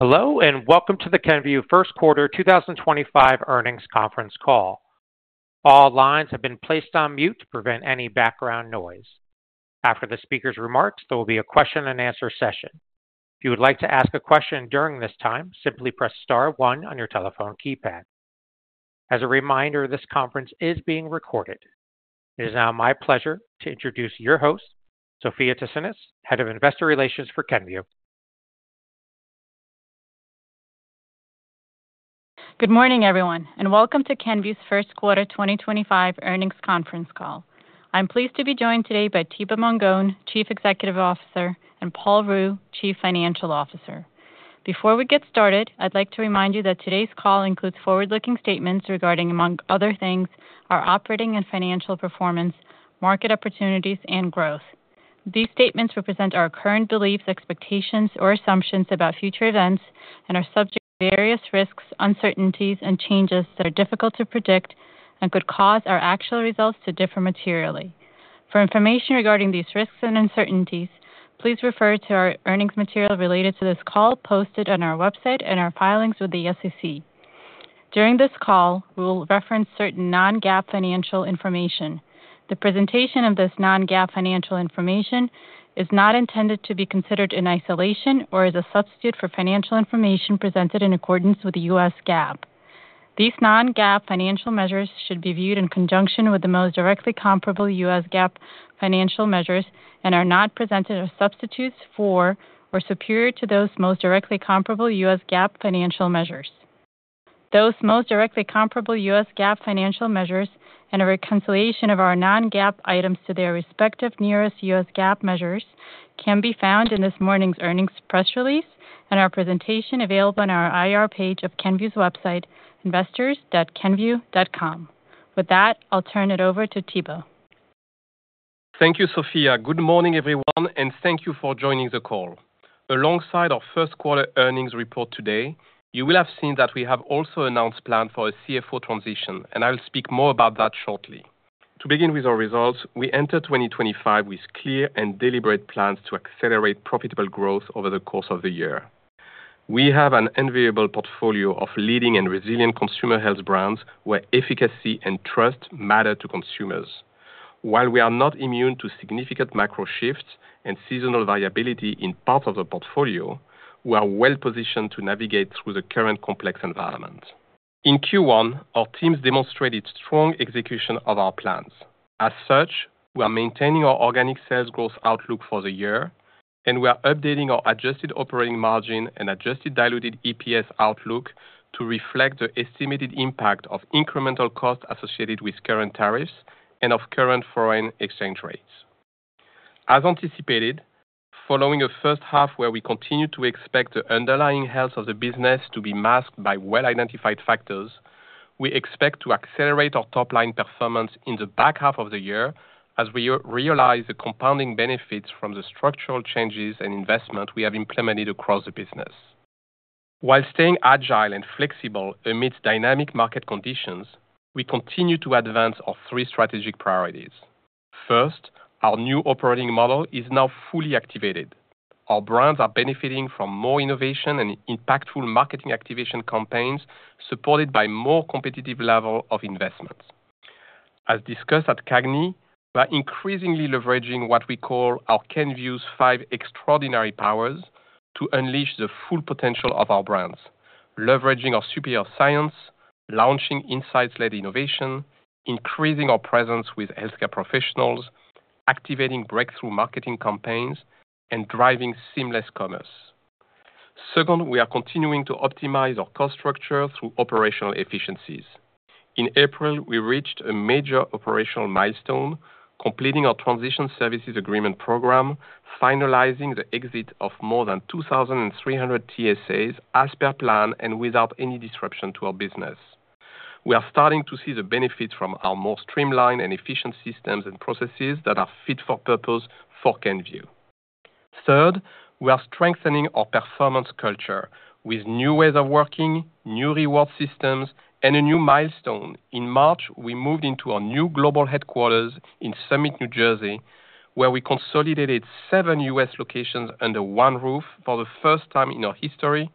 Hello, and welcome to the Kenvue Q1 2025 Earnings Conference Call. All lines have been placed on mute to prevent any background noise. After the speaker's remarks, there will be a question-and-answer session. If you would like to ask a question during this time, simply press star one on your telephone keypad. As a reminder, this conference is being recorded. It is now my pleasure to introduce your host, Sofya Tsinis, Head of Investor Relations for Kenvue. Good morning, everyone, and welcome to Kenvue's Q1 2025 Earnings Conference Call. I'm pleased to be joined today by Thibaut Mongon, Chief Executive Officer, and Paul Ruh, Chief Financial Officer. Before we get started, I'd like to remind you that today's call includes forward-looking statements regarding, among other things, our operating and financial performance, market opportunities, and growth. These statements represent our current beliefs, expectations, or assumptions about future events and are subject to various risks, uncertainties, and changes that are difficult to predict and could cause our actual results to differ materially. For information regarding these risks and uncertainties, please refer to our earnings material related to this call posted on our website and our filings with the SEC. During this call, we will reference certain non-GAAP financial information. The presentation of this non-GAAP financial information is not intended to be considered in isolation or as a substitute for financial information presented in accordance with US GAAP. These non-GAAP financial measures should be viewed in conjunction with the most directly comparable US GAAP financial measures and are not presented as substitutes for or superior to those most directly comparable US GAAP financial measures. Those most directly comparable US GAAP financial measures and a reconciliation of our non-GAAP items to their respective nearest US GAAP measures can be found in this morning's earnings press release and our presentation available on our IR page of Kenvue's website, investors.kenvue.com. With that, I'll turn it over to Thibaut. Thank you, Sofia. Good morning, everyone, and thank you for joining the call. Alongside our Q1 earnings report today, you will have seen that we have also announced plans for a CFO transition, and I'll speak more about that shortly. To begin with our results, we entered 2025 with clear and deliberate plans to accelerate profitable growth over the course of the year. We have an unrivaled portfolio of leading and resilient consumer health brands where efficacy and trust matter to consumers. While we are not immune to significant macro shifts and seasonal variability in parts of the portfolio, we are well positioned to navigate through the current complex environment. In Q1, our teams demonstrated strong execution of our plans. As such, we are maintaining our organic sales growth outlook for the year, and we are updating our adjusted operating margin and adjusted diluted EPS outlook to reflect the estimated impact of incremental costs associated with current tariffs and of current foreign exchange rates. As anticipated, following a first half where we continue to expect the underlying health of the business to be masked by well-identified factors, we expect to accelerate our top-line performance in the back half of the year as we realize the compounding benefits from the structural changes and investment we have implemented across the business. While staying agile and flexible amidst dynamic market conditions, we continue to advance our three strategic priorities. First, our new operating model is now fully activated. Our brands are benefiting from more innovation and impactful marketing activation campaigns supported by a more competitive level of investment. As discussed at CAGNY, we are increasingly leveraging what we call our Kenvue's Five Extraordinary Powers to unleash the full potential of our brands, leveraging our superior science, launching insights-led innovation, increasing our presence with healthcare professionals, activating breakthrough marketing campaigns, and driving seamless commerce. Second, we are continuing to optimize our cost structure through operational efficiencies. In April, we reached a major operational milestone, completing our Transition Services Agreement program, finalizing the exit of more than 2,300 TSAs as per plan and without any disruption to our business. We are starting to see the benefits from our more streamlined and efficient systems and processes that are fit for purpose for Kenvue. Third, we are strengthening our performance culture with new ways of working, new reward systems, and a new milestone. In March, we moved into our new global headquarters in Summit, New Jersey, where we consolidated seven U.S. locations under one roof for the first time in our history,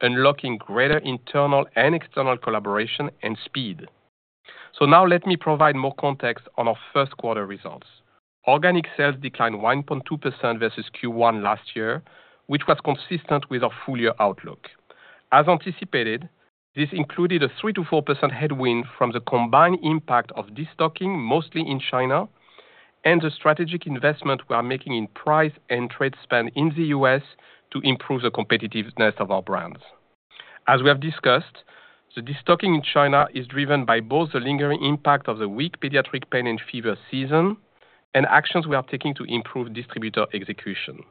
unlocking greater internal and external collaboration and speed. So now let me provide more context on our Q1 results. Organic sales declined 1.2% versus Q1 last year, which was consistent with our full-year outlook. As anticipated, this included a 3%-4% headwind from the combined impact of destocking, mostly in China, and the strategic investment we are making in price and trade spend in the U.S. to improve the competitiveness of our brands. As we have discussed, the destocking in China is driven by both the lingering impact of the weak pediatric pain and fever season and actions we are taking to improve distributor execution.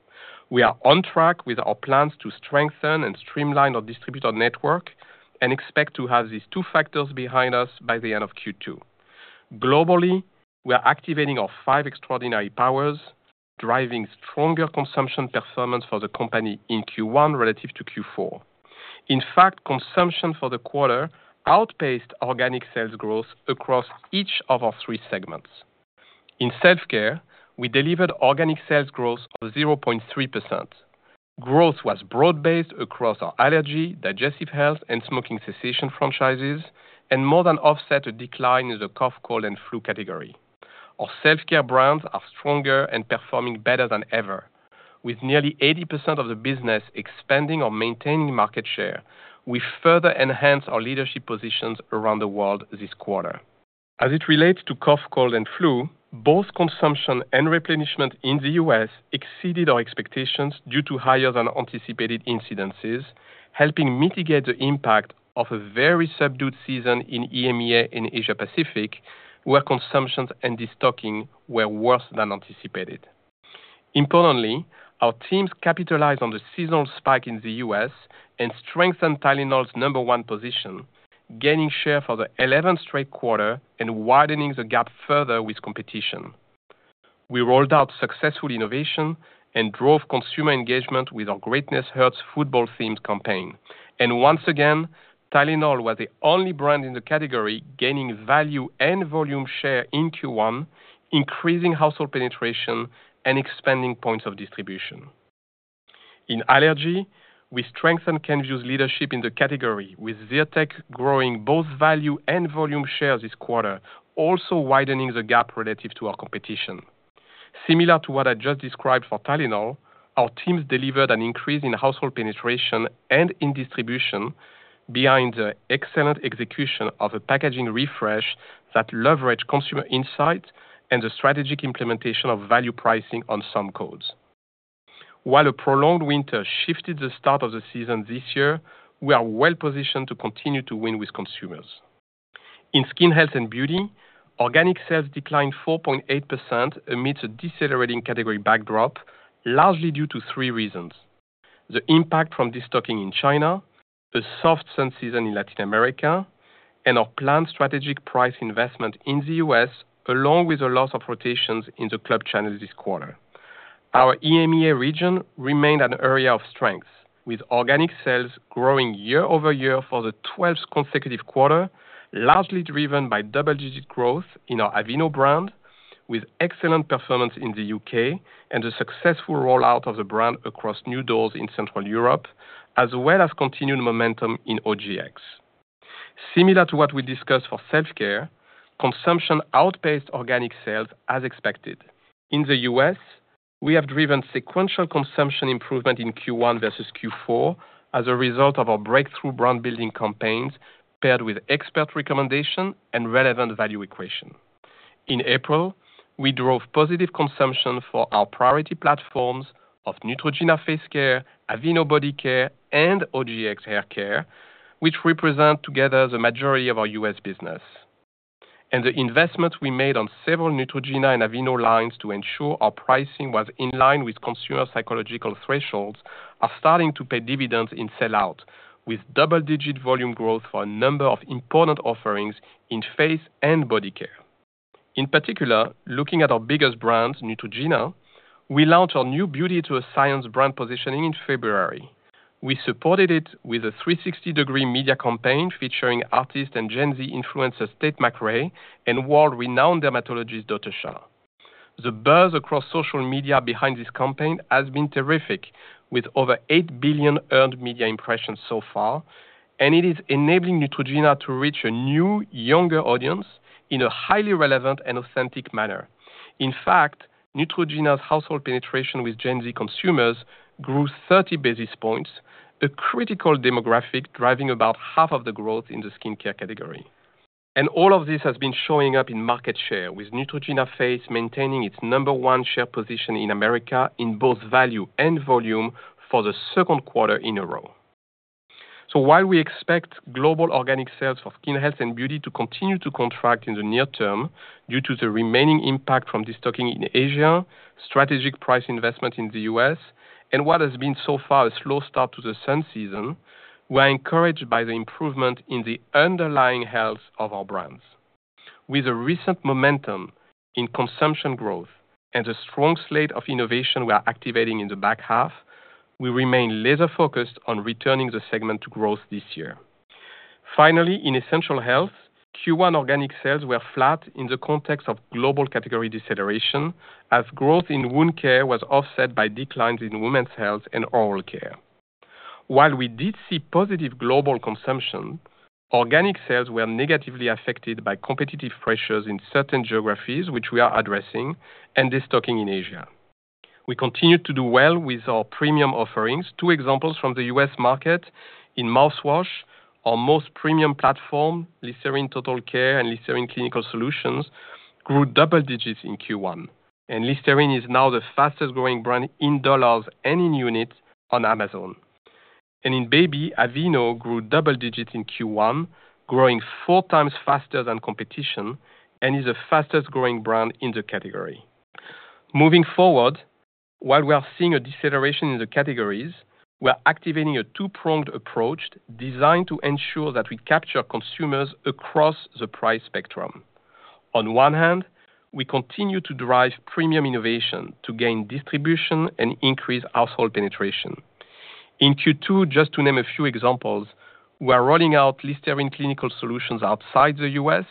We are on track with our plans to strengthen and streamline our distributor network and expect to have these two factors behind us by the end of Q2. Globally, we are activating our five extraordinary powers, driving stronger consumption performance for the company in Q1 relative to Q4. In fact, consumption for the quarter outpaced organic sales growth across each of our three segments. In self-care, we delivered organic sales growth of 0.3%. Growth was broad-based across our allergy, digestive health, and smoking cessation franchises, and more than offset a decline in the cough, cold, and flu category. Our Self Care brands are stronger and performing better than ever, with nearly 80% of the business expanding or maintaining market share. We further enhanced our leadership positions around the world this quarter. As it relates to cough, cold, and flu, both consumption and replenishment in the U.S. exceeded our expectations due to higher-than-anticipated incidences, helping mitigate the impact of a very subdued season in EMEA and Asia-Pacific, where consumption and destocking were worse than anticipated. Importantly, our teams capitalized on the seasonal spike in the U.S. and strengthened Tylenol's number one position, gaining share for the 11th straight quarter and widening the gap further with competition. We rolled out successful innovation and drove consumer engagement with our Greatness Hurts football-themed campaign. And once again, Tylenol was the only brand in the category gaining value and volume share in Q1, increasing household penetration and expanding points of distribution. In allergy, we strengthened Kenvue's leadership in the category, with Zyrtec growing both value and volume shares this quarter, also widening the gap relative to our competition. Similar to what I just described for Tylenol, our teams delivered an increase in household penetration and in distribution behind the excellent execution of a packaging refresh that leveraged consumer insight and the strategic implementation of value pricing on some codes. While a prolonged winter shifted the start of the season this year, we are well positioned to continue to win with consumers. In Skin Health and Beauty, organic sales declined 4.8% amidst a decelerating category backdrop, largely due to three reasons: the impact from destocking in China, a soft sun season in Latin America, and our planned strategic price investment in the U.S., along with a loss of rotations in the club channels this quarter. Our EMEA region remained an area of strength, with organic sales growing year over year for the 12th consecutive quarter, largely driven by double-digit growth in our Aveeno brand, with excellent performance in the UK and a successful rollout of the brand across new doors in Central Europe, as well as continued momentum in OGX. Similar to what we discussed for self-care, consumption outpaced organic sales as expected. In the US, we have driven sequential consumption improvement in Q1 versus Q4 as a result of our breakthrough brand-building campaigns paired with expert recommendation and relevant value equation. In April, we drove positive consumption for our priority platforms of Neutrogena Face Care, Aveeno Body Care, and OGX Hair Care, which represent together the majority of our US business. The investments we made on several Neutrogena and Aveeno lines to ensure our pricing was in line with consumer psychological thresholds are starting to pay dividends in sellout, with double-digit volume growth for a number of important offerings in face and body care. In particular, looking at our biggest brand, Neutrogena, we launched our new beauty to a science brand positioning in February. We supported it with a 360-degree media campaign featuring artist and Gen Z influencer Tate McRae and world-renowned dermatologist Dr. Shah. The buzz across social media behind this campaign has been terrific, with over 8 billion earned media impressions so far, and it is enabling Neutrogena to reach a new, younger audience in a highly relevant and authentic manner. In fact, Neutrogena's household penetration with Gen Z consumers grew 30 basis points, a critical demographic driving about half of the growth in the skincare category. And all of this has been showing up in market share, with Neutrogena Face maintaining its number one share position in America in both value and volume for the Q2 in a row. So while we expect global organic sales for Skin Health and Beauty to continue to contract in the near term due to the remaining impact from destocking in Asia, strategic price investment in the U.S., and what has been so far a slow start to the sun season, we are encouraged by the improvement in the underlying health of our brands. With the recent momentum in consumption growth and the strong slate of innovation we are activating in the back half, we remain laser-focused on returning the segment to growth this year. Finally, in Essential Health, Q1 organic sales were flat in the context of global category deceleration, as growth in wound care was offset by declines in women's health and oral care. While we did see positive global consumption, organic sales were negatively affected by competitive pressures in certain geographies, which we are addressing, and destocking in Asia. We continued to do well with our premium offerings. Two examples from the U.S. market in mouthwash, our most premium platform, Listerine Total Care and Listerine Clinical Solutions, grew double digits in Q1. And Listerine is now the fastest-growing brand in dollars and in units on Amazon. And in baby, Aveeno grew double digits in Q1, growing four times faster than competition and is the fastest-growing brand in the category. Moving forward, while we are seeing a deceleration in the categories, we are activating a two-pronged approach designed to ensure that we capture consumers across the price spectrum. On one hand, we continue to drive premium innovation to gain distribution and increase household penetration. In Q2, just to name a few examples, we are rolling out Listerine Clinical Solutions outside the U.S.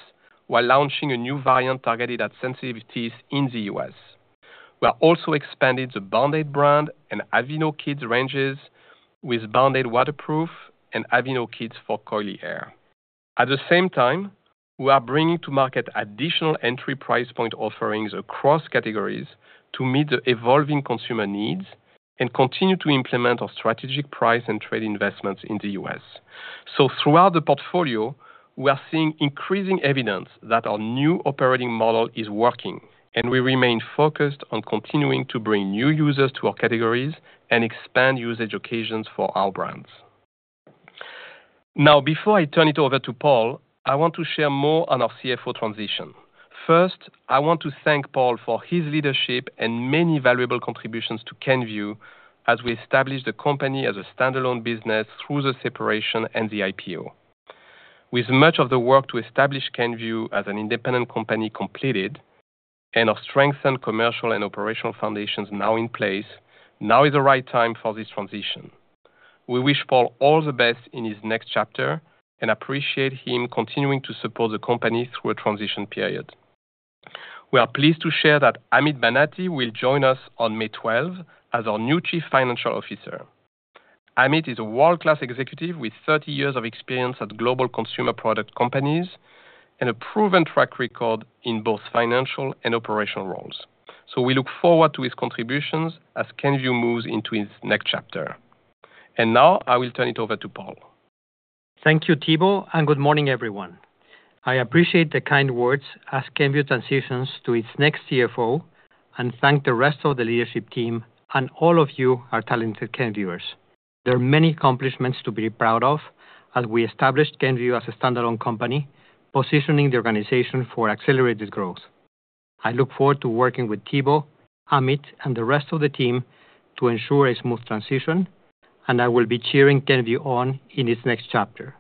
while launching a new variant targeted at sensitivities in the U.S. We have also expanded the Band-Aid brand and Aveeno Kids ranges with Band-Aid waterproof and Aveeno Kids for coily hair. At the same time, we are bringing to market additional entry price point offerings across categories to meet the evolving consumer needs and continue to implement our strategic price and trade investments in the U.S. So throughout the portfolio, we are seeing increasing evidence that our new operating model is working, and we remain focused on continuing to bring new users to our categories and expand usage occasions for our brands. Now, before I turn it over to Paul, I want to share more on our CFO transition. First, I want to thank Paul for his leadership and many valuable contributions to Kenvue as we established the company as a standalone business through the separation and the IPO. With much of the work to establish Kenvue as an independent company completed and our strengthened commercial and operational foundations now in place, now is the right time for this transition. We wish Paul all the best in his next chapter and appreciate him continuing to support the company through a transition period. We are pleased to share that Amit Banati will join us on May 12 as our new Chief Financial Officer. Amit is a world-class executive with 30 years of experience at global consumer product companies and a proven track record in both financial and operational roles, so we look forward to his contributions as Kenvue moves into its next chapter, and now I will turn it over to Paul. Thank you, Thibaut, and good morning, everyone. I appreciate the kind words as Kenvue transitions to its next CFO and thank the rest of the leadership team and all of you, our talented Kenvuers. There are many accomplishments to be proud of as we established Kenvue as a standalone company, positioning the organization for accelerated growth. I look forward to working with Thibaut, Amit, and the rest of the team to ensure a smooth transition, and I will be cheering Kenvue on in its next chapter.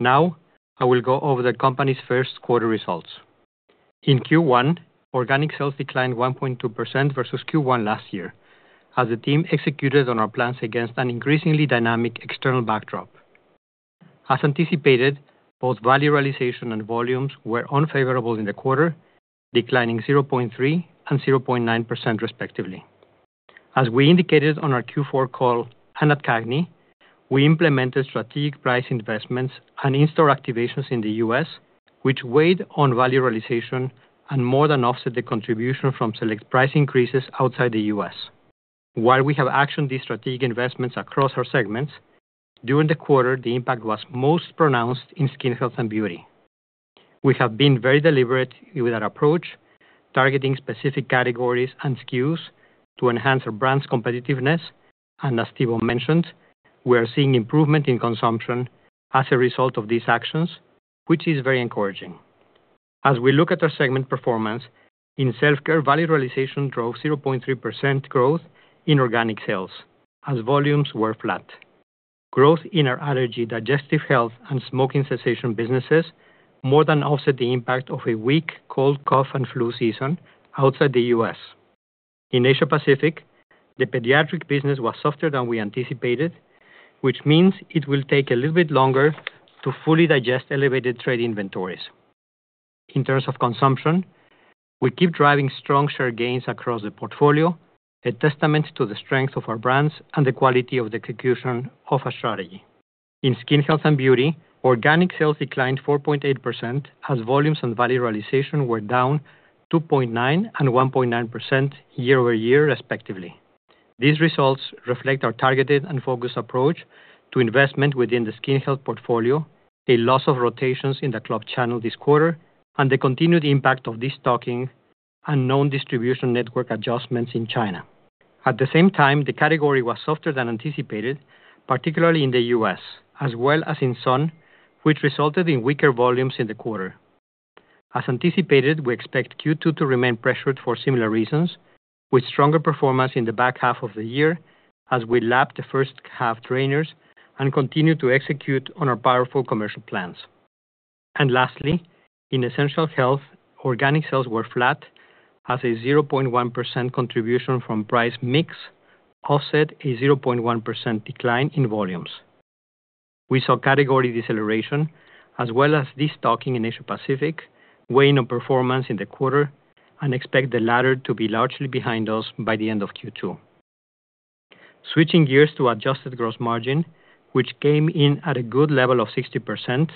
Now, I will go over the company's Q1 results. In Q1, organic sales declined 1.2% versus Q1 last year as the team executed on our plans against an increasingly dynamic external backdrop. As anticipated, both value realization and volumes were unfavorable in the quarter, declining 0.3% and 0.9% respectively. As we indicated on our Q4 call at CAGNY, we implemented strategic price investments and in-store activations in the U.S., which weighed on value realization and more than offset the contribution from select price increases outside the U.S. While we have actioned these strategic investments across our segments during the quarter, the impact was most pronounced in Skin Health and Beauty. We have been very deliberate with our approach, targeting specific categories and SKUs to enhance our brand's competitiveness, and as Thibaut mentioned, we are seeing improvement in consumption as a result of these actions, which is very encouraging. As we look at our segment performance, in Self-Care, value realization drove 0.3% growth in organic sales as volumes were flat. Growth in our allergy, digestive health, and smoking cessation businesses more than offset the impact of a weak cold, cough, and flu season outside the U.S. In Asia-Pacific, the pediatric business was softer than we anticipated, which means it will take a little bit longer to fully digest elevated trade inventories. In terms of consumption, we keep driving strong share gains across the portfolio, a testament to the strength of our brands and the quality of the execution of our strategy. In Skin Health and Beauty, organic sales declined 4.8% as volumes and value realization were down 2.9% and 1.9% year over year, respectively. These results reflect our targeted and focused approach to investment within the skin health portfolio, a loss of rotations in the club channel this quarter, and the continued impact of destocking and known distribution network adjustments in China. At the same time, the category was softer than anticipated, particularly in the U.S., as well as in sun, which resulted in weaker volumes in the quarter. As anticipated, we expect Q2 to remain pressured for similar reasons, with stronger performance in the back half of the year as we lap the first-half trainers and continue to execute on our powerful commercial plans. Lastly, in Essential Health, organic sales were flat as a 0.1% contribution from price mix offset a 0.1% decline in volumes. We saw category deceleration as well as destocking in Asia-Pacific, weighing on performance in the quarter, and expect the latter to be largely behind us by the end of Q2. Switching gears to adjusted gross margin, which came in at a good level of 60%,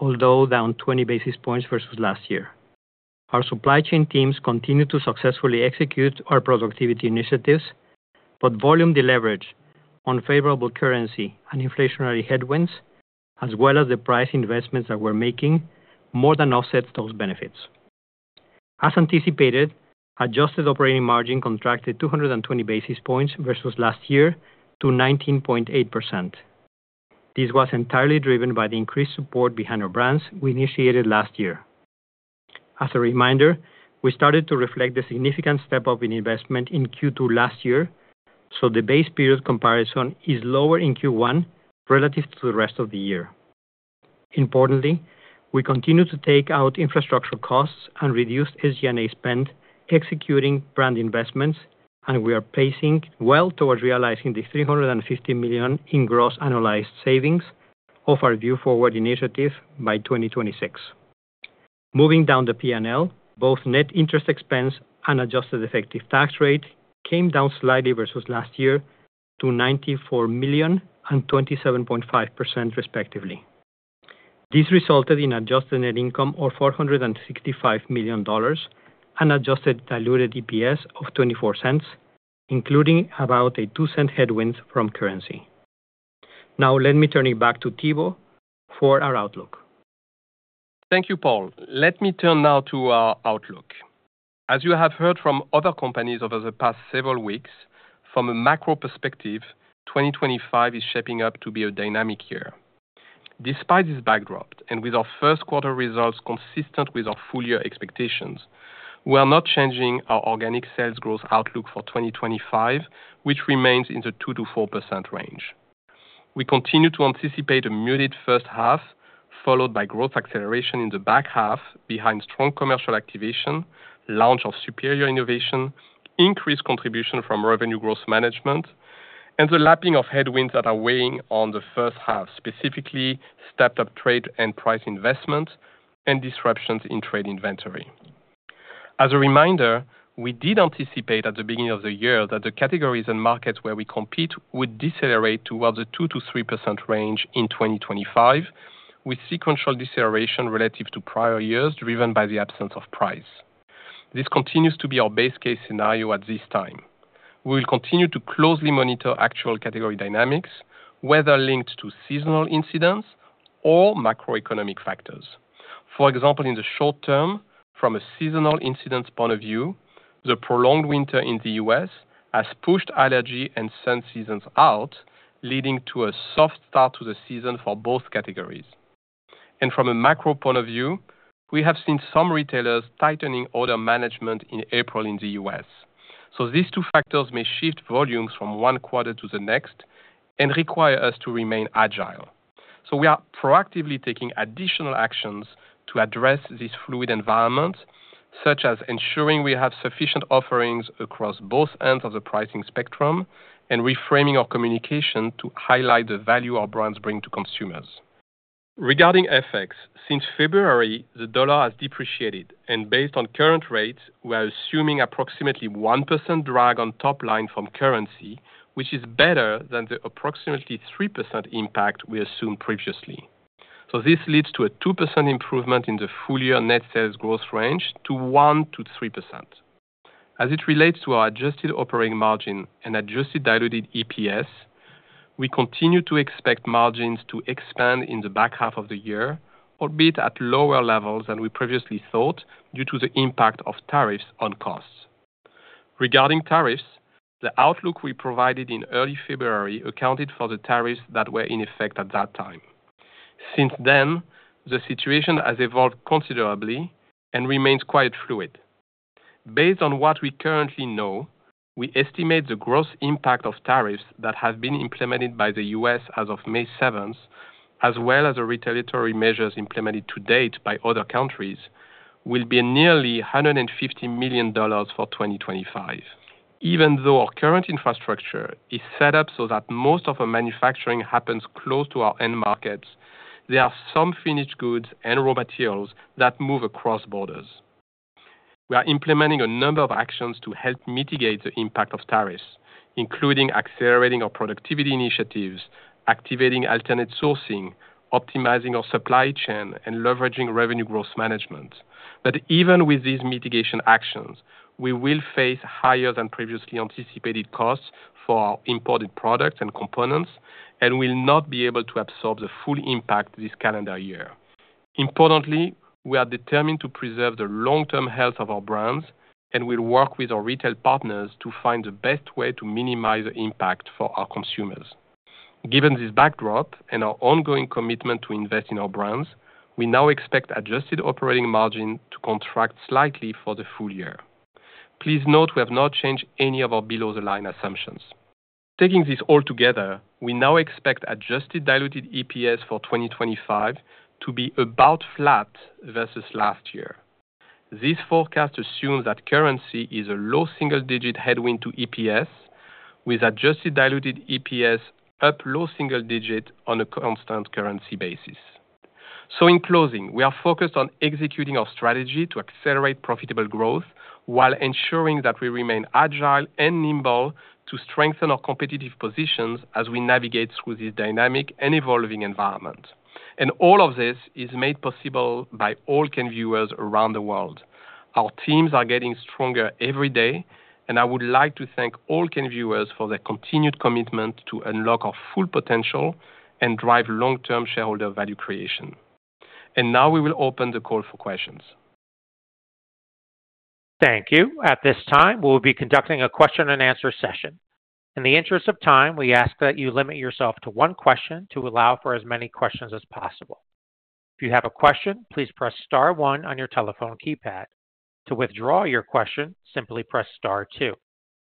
although down 20 basis points versus last year. Our supply chain teams continue to successfully execute our productivity initiatives, but volume deleverage on favorable currency and inflationary headwinds, as well as the price investments that we're making, more than offsets those benefits. As anticipated, adjusted operating margin contracted 220 basis points versus last year to 19.8%. This was entirely driven by the increased support behind our brands we initiated last year. As a reminder, we started to reflect the significant step-up in investment in Q2 last year, so the base period comparison is lower in Q1 relative to the rest of the year. Importantly, we continue to take out infrastructure costs and reduce SG&A spend executing brand investments, and we are pacing well towards realizing the $350 million in gross annualized savings of our Vue Forward initiative by 2026. Moving down the P&L, both net interest expense and adjusted effective tax rate came down slightly versus last year to $94 million and 27.5%, respectively. This resulted in adjusted net income of $465 million and adjusted diluted EPS of $0.24, including about a $0.02 headwind from currency. Now, let me turn it back to Thibaut for our outlook. Thank you, Paul. Let me turn now to our outlook. As you have heard from other companies over the past several weeks, from a macro perspective, 2025 is shaping up to be a dynamic year. Despite this backdrop and with our Q1 results consistent with our full-year expectations, we are not changing our organic sales growth outlook for 2025, which remains in the 2%-4% range. We continue to anticipate a muted first half, followed by growth acceleration in the back half behind strong commercial activation, launch of superior innovation, increased contribution from revenue growth management, and the lapping of headwinds that are weighing on the first half, specifically stepped-up trade and price investment and disruptions in trade inventory. As a reminder, we did anticipate at the beginning of the year that the categories and markets where we compete would decelerate towards the 2%-3% range in 2025, with sequential deceleration relative to prior years driven by the absence of price. This continues to be our base case scenario at this time. We will continue to closely monitor actual category dynamics, whether linked to seasonal incidents or macroeconomic factors. For example, in the short term, from a seasonal incident point of view, the prolonged winter in the U.S. has pushed allergy and sun seasons out, leading to a soft start to the season for both categories. And from a macro point of view, we have seen some retailers tightening order management in April in the U.S. So these two factors may shift volumes from one quarter to the next and require us to remain agile. So we are proactively taking additional actions to address this fluid environment, such as ensuring we have sufficient offerings across both ends of the pricing spectrum and reframing our communication to highlight the value our brands bring to consumers. Regarding FX, since February, the dollar has depreciated, and based on current rates, we are assuming approximately 1% drag on top line from currency, which is better than the approximately 3% impact we assumed previously. So this leads to a 2% improvement in the full-year net sales growth range to 1%-3%. As it relates to our adjusted operating margin and adjusted diluted EPS, we continue to expect margins to expand in the back half of the year, albeit at lower levels than we previously thought due to the impact of tariffs on costs. Regarding tariffs, the outlook we provided in early February accounted for the tariffs that were in effect at that time. Since then, the situation has evolved considerably and remains quite fluid. Based on what we currently know, we estimate the gross impact of tariffs that have been implemented by the U.S. as of May 7, as well as the retaliatory measures implemented to date by other countries, will be nearly $150 million for 2025. Even though our current infrastructure is set up so that most of our manufacturing happens close to our end markets, there are some finished goods and raw materials that move across borders. We are implementing a number of actions to help mitigate the impact of tariffs, including accelerating our productivity initiatives, activating alternate sourcing, optimizing our supply chain, and leveraging revenue growth management, but even with these mitigation actions, we will face higher than previously anticipated costs for our imported products and components, and we will not be able to absorb the full impact this calendar year. Importantly, we are determined to preserve the long-term health of our brands, and we'll work with our retail partners to find the best way to minimize the impact for our consumers. Given this backdrop and our ongoing commitment to invest in our brands, we now expect adjusted operating margin to contract slightly for the full year. Please note we have not changed any of our below-the-line assumptions. Taking this all together, we now expect adjusted diluted EPS for 2025 to be about flat versus last year. This forecast assumes that currency is a low single-digit headwind to EPS, with adjusted diluted EPS up low single digit on a constant currency basis. So in closing, we are focused on executing our strategy to accelerate profitable growth while ensuring that we remain agile and nimble to strengthen our competitive positions as we navigate through this dynamic and evolving environment. And all of this is made possible by all Kenvueers around the world. Our teams are getting stronger every day, and I would like to thank all Kenvueers for their continued commitment to unlock our full potential and drive long-term shareholder value creation. And now we will open the call for questions. Thank you. At this time, we will be conducting a question-and-answer session. In the interest of time, we ask that you limit yourself to one question to allow for as many questions as possible. If you have a question, please press Star 1 on your telephone keypad. To withdraw your question, simply press Star 2.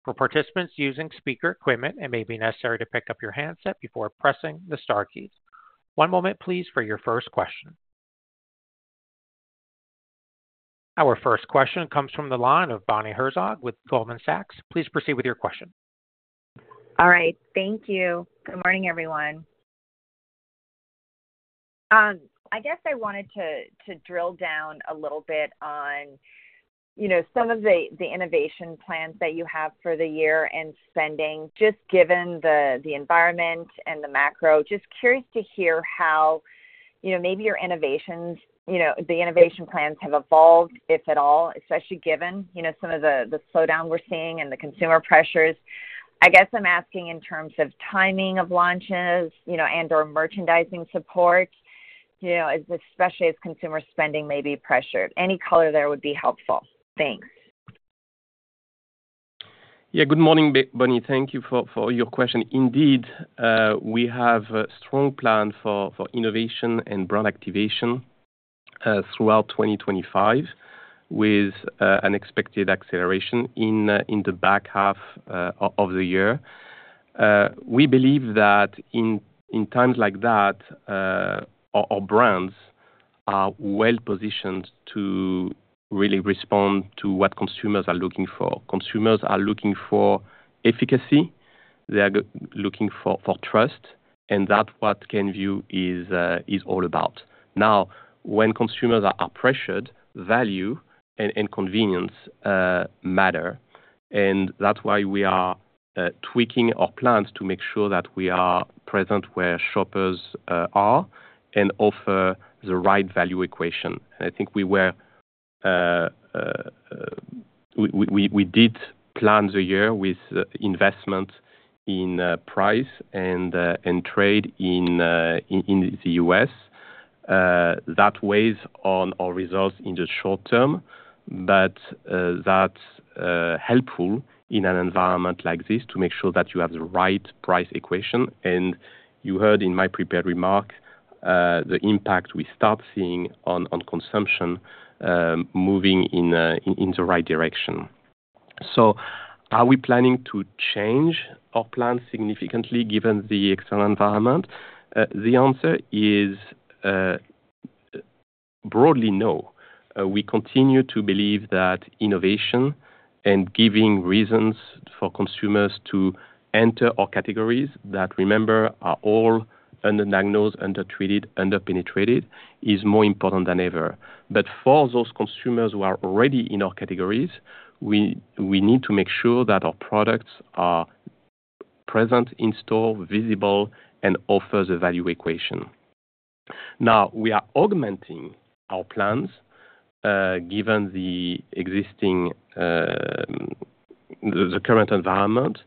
For participants using speaker equipment, it may be necessary to pick up your handset before pressing the Star keys. One moment, please, for your first question. Our first question comes from the line of Bonnie Herzog with Goldman Sachs. Please proceed with your question. All right. Thank you. Good morning, everyone. I guess I wanted to drill down a little bit on some of the innovation plans that you have for the year and spending, just given the environment and the macro. Just curious to hear how maybe your innovations, the innovation plans have evolved, if at all, especially given some of the slowdown we're seeing and the consumer pressures. I guess I'm asking in terms of timing of launches and/or merchandising support, especially as consumer spending may be pressured. Any color there would be helpful. Thanks. Yeah. Good morning, Bonnie. Thank you for your question. Indeed, we have a strong plan for innovation and brand activation throughout 2025, with an expected acceleration in the back half of the year. We believe that in times like that, our brands are well-positioned to really respond to what consumers are looking for. Consumers are looking for efficacy. They are looking for trust, and that's what Kenvue is all about. Now, when consumers are pressured, value and convenience matter, and that's why we are tweaking our plans to make sure that we are present where shoppers are and offer the right value equation. And I think we did plan the year with investment in price and trade in the U.S. That weighs on our results in the short term, but that's helpful in an environment like this to make sure that you have the right price equation. And you heard in my prepared remark the impact we start seeing on consumption moving in the right direction. So are we planning to change our plans significantly given the external environment? The answer is broadly no. We continue to believe that innovation and giving reasons for consumers to enter our categories that, remember, are all undiagnosed, undertreated, underpenetrated, is more important than ever. But for those consumers who are already in our categories, we need to make sure that our products are present in store, visible, and offer the value equation. Now, we are augmenting our plans given the current environment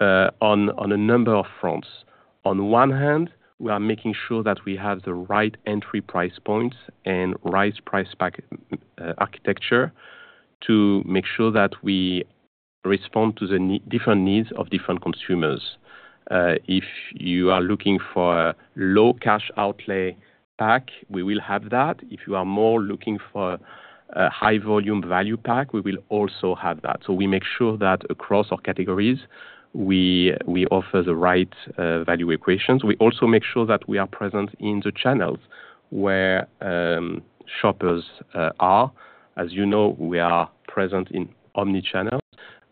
on a number of fronts. On one hand, we are making sure that we have the right entry price points and right price architecture to make sure that we respond to the different needs of different consumers. If you are looking for a low cash outlay pack, we will have that. If you are more looking for a high-volume value pack, we will also have that. So we make sure that across our categories, we offer the right value equations. We also make sure that we are present in the channels where shoppers are. As you know, we are present in omnichannels,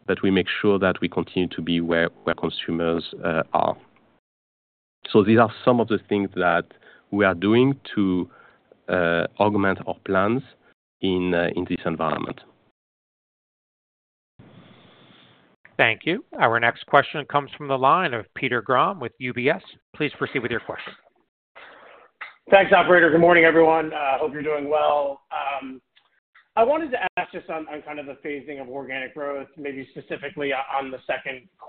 but we make sure that we continue to be where consumers are. So these are some of the things that we are doing to augment our plans in this environment. Thank you. Our next question comes from the line of Peter Grom with UBS. Please proceed with your question. Thanks, operator. Good morning, everyone. I hope you're doing well. I wanted to ask just on kind of the phasing of organic growth, maybe specifically on the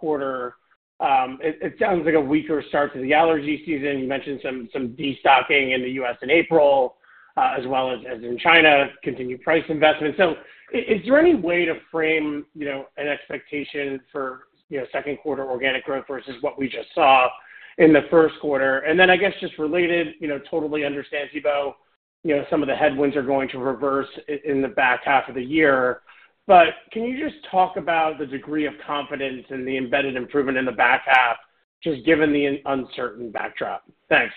Q2. It sounds like a weaker start to the allergy season. You mentioned some destocking in the U.S. in April, as well as in China, continued price investment. So is there any way to frame an expectation for second-quarter organic growth versus what we just saw in the Q1? Then I guess, just related, I totally understand, Thibaut, some of the headwinds are going to reverse in the back half of the year. But can you just talk about the degree of confidence and the embedded improvement in the back half, just given the uncertain backdrop? Thanks.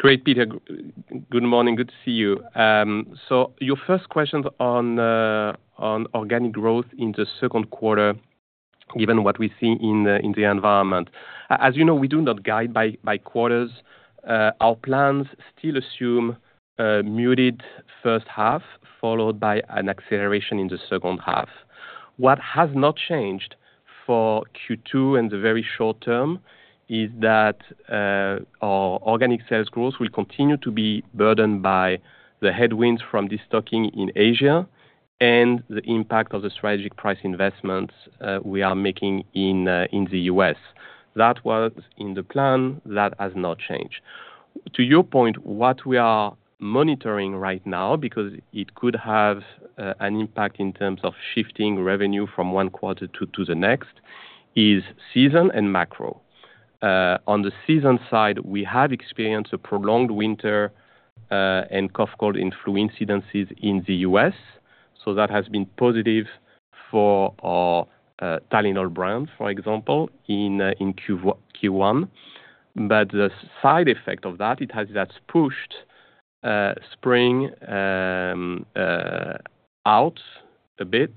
Great, Peter. Good morning. Good to see you. So, your first question on organic growth in the Q2, given what we see in the environment. As you know, we do not guide by quarters. Our plans still assume muted first half, followed by an acceleration in the second half. What has not changed for Q2 in the very short term is that our organic sales growth will continue to be burdened by the headwinds from destocking in Asia and the impact of the strategic price investments we are making in the U.S. That was in the plan. That has not changed. To your point, what we are monitoring right now, because it could have an impact in terms of shifting revenue from one quarter to the next, is season and macro. On the season side, we have experienced a prolonged winter and cough cold influence incidences in the U.S., so that has been positive for our Tylenol brand, for example, in Q1. But the side effect of that, it has pushed spring out a bit,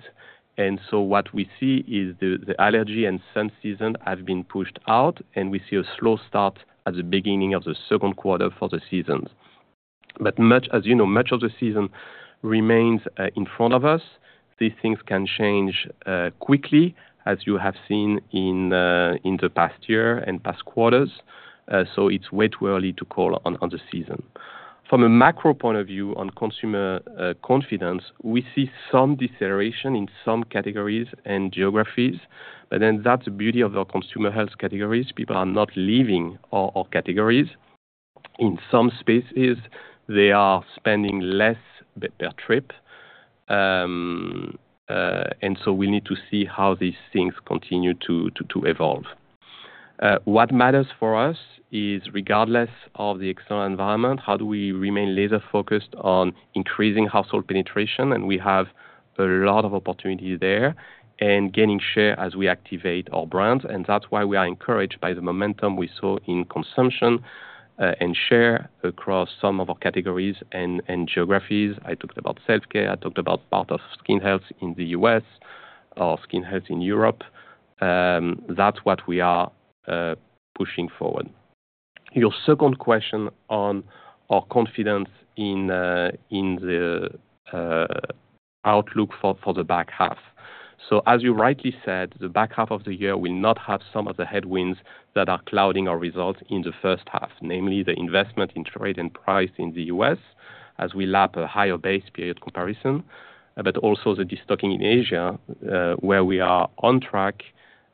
and so what we see is the allergy and sun season have been pushed out, and we see a slow start at the beginning of the Q2 for the seasons, but as you know, much of the season remains in front of us. These things can change quickly, as you have seen in the past year and past quarters, so it's way too early to call on the season. From a macro point of view on consumer confidence, we see some deceleration in some categories and geographies. But then that's the beauty of our consumer health categories. People are not leaving our categories. In some spaces, they are spending less per trip. And so we need to see how these things continue to evolve. What matters for us is, regardless of the external environment, how do we remain laser-focused on increasing household penetration? And we have a lot of opportunities there and gaining share as we activate our brands. And that's why we are encouraged by the momentum we saw in consumption and share across some of our categories and geographies. I talked about Self-Care. I talked about part of Skin Health in the U.S. or Skin Health in Europe. That's what we are pushing forward. Your second question on our confidence in the outlook for the back half. So as you rightly said, the back half of the year will not have some of the headwinds that are clouding our results in the first half, namely the investment in trade and price in the U.S., as we lap a higher base period comparison, but also the destocking in Asia, where we are on track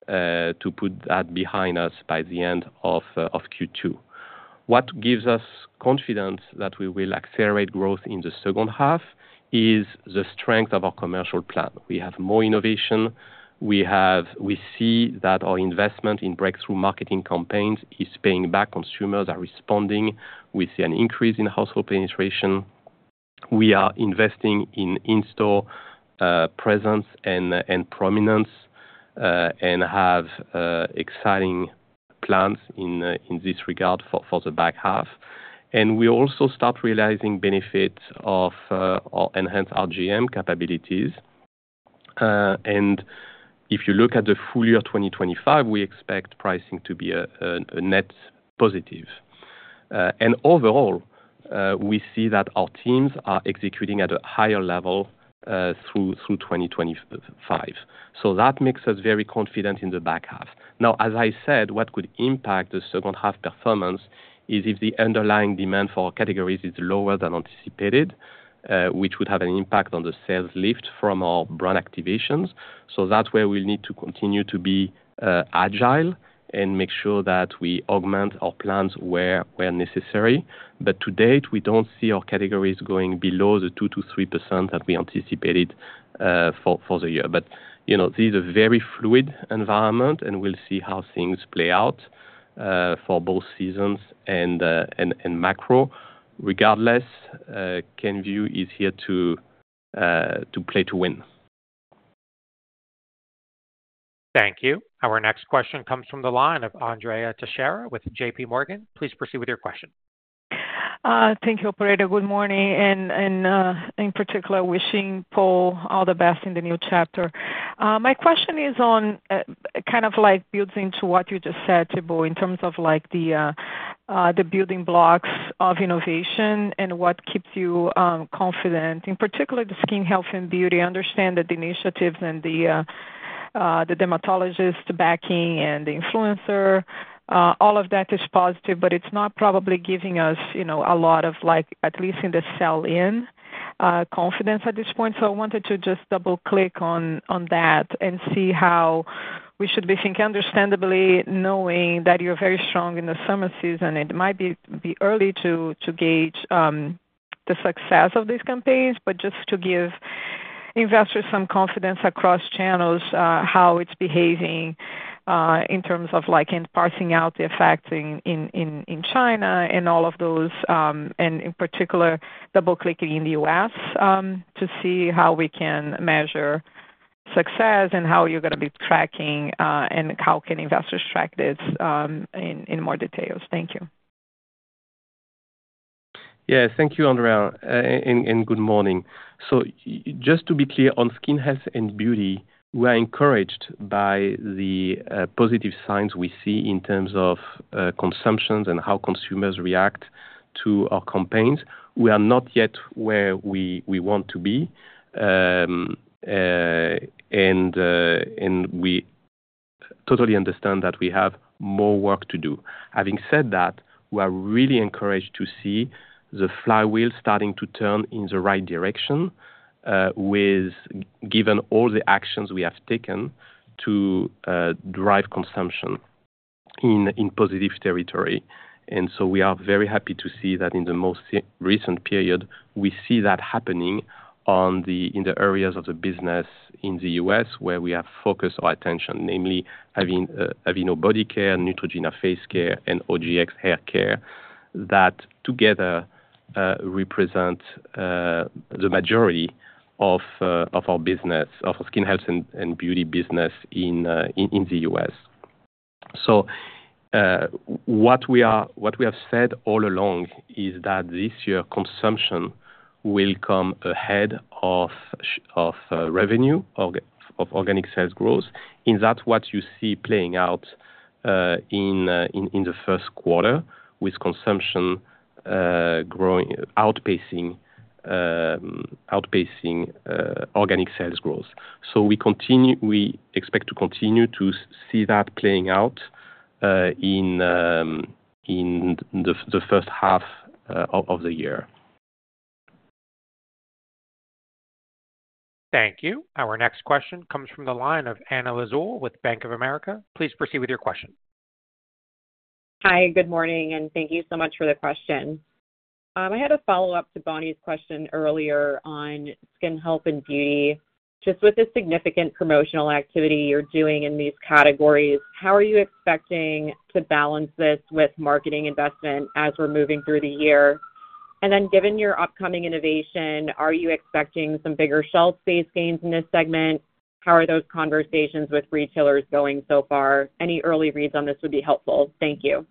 to put that behind us by the end of Q2. What gives us confidence that we will accelerate growth in the second half is the strength of our commercial plan. We have more innovation. We see that our investment in breakthrough marketing campaigns is paying back. Consumers are responding. We see an increase in household penetration. We are investing in in-store presence and prominence and have exciting plans in this regard for the back half. And we also start realizing benefits of our enhanced RGM capabilities. And if you look at the full year 2025, we expect pricing to be a net positive. And overall, we see that our teams are executing at a higher level through 2025. So that makes us very confident in the back half. Now, as I said, what could impact the second-half performance is if the underlying demand for our categories is lower than anticipated, which would have an impact on the sales lift from our brand activations. So that's where we'll need to continue to be agile and make sure that we augment our plans where necessary. But to date, we don't see our categories going below the 2%-3% that we anticipated for the year. But this is a very fluid environment, and we'll see how things play out for both seasons and macro. Regardless, Kenvue is here to play to win. Thank you. Our next question comes from the line of Andrea Teixeira with JPMorgan. Please proceed with your question. Thank you, operator. Good morning. And in particular, wishing Paul all the best in the new chapter. My question is on kind of like builds into what you just said, Thibaut, in terms of the building blocks of innovation and what keeps you confident, in particular, the Skin Health and Beauty. I understand that the initiatives and the dermatologist backing and the influencer, all of that is positive, but it's not probably giving us a lot of, at least in the sell-in confidence at this point. So I wanted to just double-click on that and see how we should be thinking understandably, knowing that you're very strong in the summer season. It might be early to gauge the success of these campaigns, but just to give investors some confidence across channels how it's behaving in terms of parsing out the effects in China and all of those, and in particular, double-clicking in the U.S. to see how we can measure success and how you're going to be tracking and how can investors track this in more details? Thank you. Yeah. Thank you, Andrea. And good morning. So just to be clear, on Skin Health and Beauty, we are encouraged by the positive signs we see in terms of consumptions and how consumers react to our campaigns. We are not yet where we want to be. And we totally understand that we have more work to do. Having said that, we are really encouraged to see the flywheel starting to turn in the right direction, given all the actions we have taken to drive consumption in positive territory. And so we are very happy to see that in the most recent period, we see that happening in the areas of the business in the U.S. where we have focused our attention, namely Aveeno Body Care, Neutrogena Face Care, and OGX Hair Care, that together represent the majority of our business, of our Skin Health and Beauty business in the U.S. So what we have said all along is that this year, consumption will come ahead of revenue, of organic sales growth, in that what you see playing out in the Q1 with consumption outpacing organic sales growth. So we expect to continue to see that playing out in the first half of the year. Thank you. Our next question comes from the line of Anna Lizzul with Bank of America. Please proceed with your question. Hi. Good morning. And thank you so much for the question. I had a follow-up to Bonnie's question earlier on Skin Health and Beauty. Just with the significant promotional activity you're doing in these categories, how are you expecting to balance this with marketing investment as we're moving through the year? And then given your upcoming innovation, are you expecting some bigger shelf space gains in this segment? How are those conversations with retailers going so far? Any early reads on this would be helpful. Thank you.